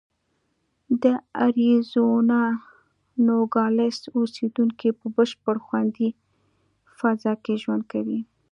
د اریزونا نوګالس اوسېدونکي په بشپړه خوندي فضا کې ژوند کوي.